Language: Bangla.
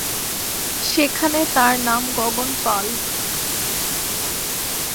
সেখানে তার নাম গগন পাল।